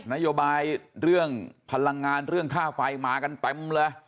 นโยบายเรื่องพลังงานเรื่องค่าไฟมากันเต็มเลย